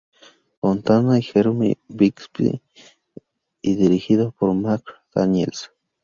Fontana y Jerome Bixby, y dirigido por Marc Daniels.